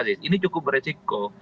ini cukup beresiko